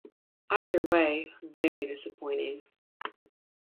Either way, very disappointing.